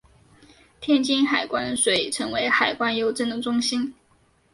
天津海关遂成为海关邮政的中心。